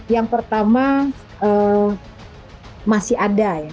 yang pertama masih ada ya